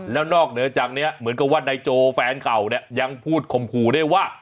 แล้วนอกเหนือจากนี้เหมือนกับว่านายโจแฟนเก่าเนี่ยยังพูดข่มขู่ด้วยว่า